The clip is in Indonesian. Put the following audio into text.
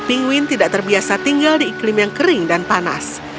pingwin tidak terbiasa tinggal di iklim yang kering dan panas